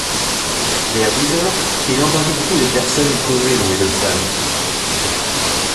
Vers dix heures, il entendit beaucoup de personnes causer dans les deux salles.